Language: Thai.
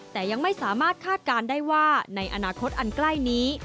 แต่ยังไม่สามารถคาดการณ์ได้ว่าในอนาคตอันใกล้นี้